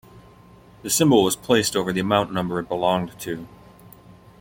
The symbol was placed over the amount number it belonged to.